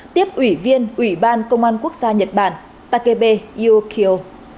tiếp ủy viên ủy ban công an quốc gia nhật bản takebe yokyo